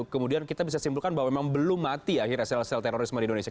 kemudian kita bisa simpulkan bahwa memang belum mati akhirnya sel sel terorisme di indonesia